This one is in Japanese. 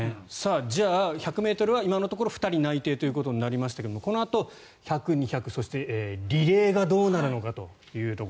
じゃあ、１００ｍは今のところ２人内定となりましたがこのあと１００ｍ、２００ｍそしてリレーがどうなるのか。